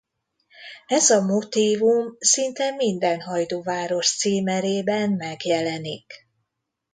Ez a motívum szinte minden hajdúváros címerében megjelenik.